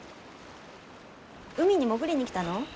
海に潜りに来たの？